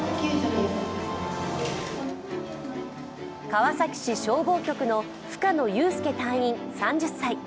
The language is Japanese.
川崎市消防局の深野裕輔隊員３０歳。